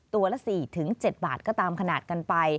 ตัวละ๔๗บาทก็ตามขนาดกันไป